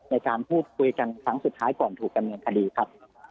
ในการพูดคุยกันครั้งสุดท้ายก่อนถูกดำเนินคดีครับ